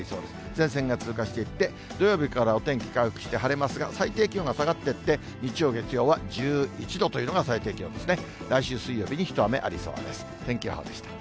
前線が通過していって、土曜日からお天気回復して晴れますが、最低気温が下がっていって、日曜、月曜というのは１１度というのが最低気温ですね。